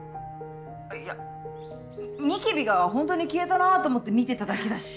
いやっニキビがホントに消えたなと思って見てただけだし。